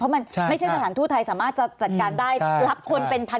มันไม่ใช่สถานทูตไทยสามารถจะจัดการได้รับคนเป็นพัน